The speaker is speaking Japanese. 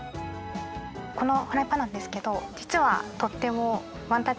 このフライパンなんですけど実は。